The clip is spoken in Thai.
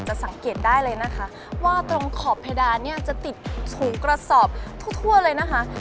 สังเกตได้เลยนะคะว่าตรงขอบเพดานเนี่ยจะติดถุงกระสอบทั่วเลยนะคะ